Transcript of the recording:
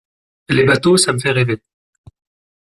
Les bateaux, ça me fait rêver.